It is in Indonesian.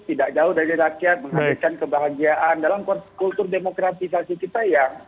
tidak jauh dari rakyat menghadirkan kebahagiaan dalam kultur demokratisasi kita yang